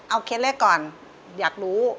เอาเคสแรกก่อนอยากรู้